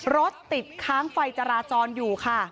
รถติดค้างไฟจราจรอยู่ค่ะ